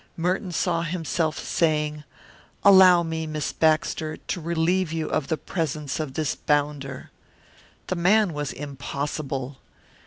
Merton saw himself saying, "Allow me, Miss Baxter, to relieve you of the presence of this bounder." The man was impossible.